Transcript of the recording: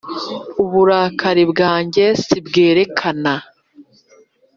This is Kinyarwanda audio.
uburakari bwanjye si mbwerekana